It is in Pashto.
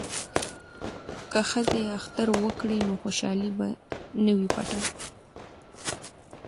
که ښځې اختر وکړي نو خوشحالي به نه وي پټه.